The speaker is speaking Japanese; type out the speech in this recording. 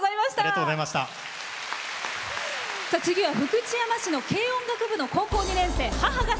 次は福知山市の軽音部の高校２年生。